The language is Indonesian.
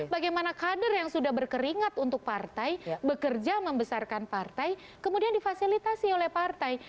bagaimana kader yang sudah berkeringat untuk partai bekerja membesarkan partai kemudian difasilitasi oleh partai